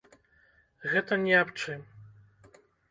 Гэта ні аб чым.